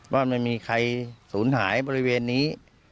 ว่าไม่มีใครสูญหายบริเวณนี้